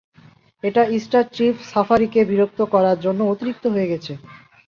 এটা star chief সাফারিকে বিরক্ত করার জন্য অতিরিক্ত হয়ে গেছে।